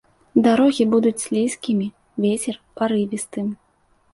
Дарогі будуць слізкімі, вецер парывістым.